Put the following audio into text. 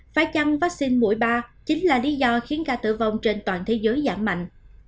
phải chăn vaccine mũi ba chính là lý do khiến ca tử vong trên toàn thế giới giảm mạnh